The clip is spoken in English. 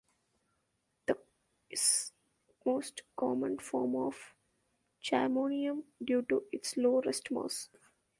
The is most common form of charmonium, due to its low rest mass.